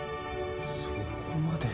そこまで？